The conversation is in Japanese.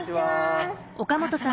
岡本さま